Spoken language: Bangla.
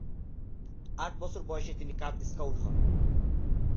আট বছর বয়সে তিনি কাব স্কাউট হন।